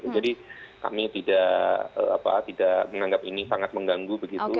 jadi kami tidak menanggap ini sangat mengganggu